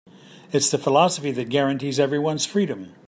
It's the philosophy that guarantees everyone's freedom.